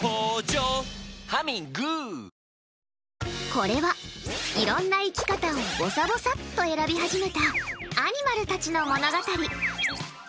これは、いろんな生き方をぼさぼさっと選び始めたアニマルたちの物語。